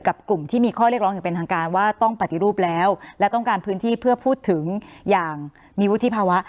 กลุ่มที่มีข้อเรียกร้องอย่างเป็นทางการว่าต้องปฏิรูปแล้วและต้องการพื้นที่เพื่อพูดถึงอย่างมีวุฒิภาวะ